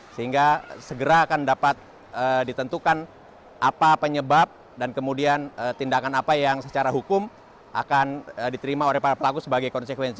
sehingga segera akan dapat ditentukan apa penyebab dan kemudian tindakan apa yang secara hukum akan diterima oleh para pelaku sebagai konsekuensi